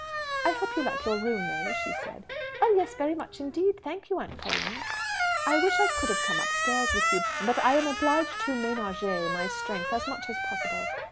"I hope you like your room, May?" she said. "Oh yes, very much indeed, thank you, Aunt Pauline." "I wish I could have come upstairs with you. But I am obliged to ménager my strength as much as possible."